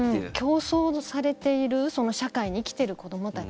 競争されているその社会に生きている子どもたち